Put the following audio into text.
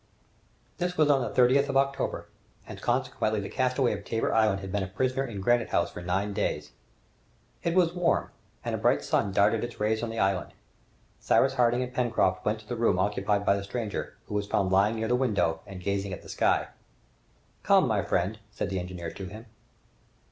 This was on the 30th of October, and consequently the castaway of Tabor Island had been a prisoner in Granite House for nine days. It was warm, and a bright sun darted its rays on the island. Cyrus Harding and Pencroft went to the room occupied by the stranger, who was found lying near the window and gazing at the sky. "Come, my friend," said the engineer to him.